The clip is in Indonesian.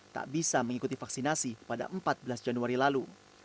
tak bisa mengikuti vaksinasi pada empat belas januari lalu